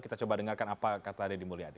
kita coba dengarkan apa kata deddy mulyadi